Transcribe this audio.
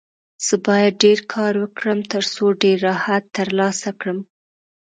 زه باید ډېر کار وکړم، ترڅو ډېر راحت ترلاسه کړم.